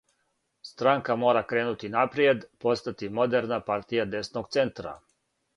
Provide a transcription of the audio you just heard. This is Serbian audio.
Странка мора кренути напријед, постати модерна партија десног центра.